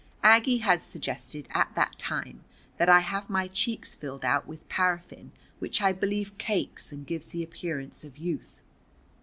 Aggie had suggested at that time that I have my cheeks filled out with paraffin, which I believe cakes and gives the appearance of youth.